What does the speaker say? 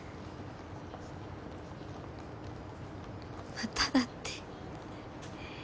まただって。